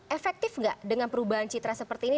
efektif nggak dengan perubahan citra seperti ini